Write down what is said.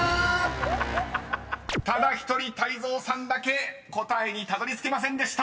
［ただ１人泰造さんだけ答えにたどりつけませんでした］